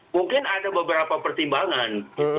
mungkin ada beberapa pertimbangan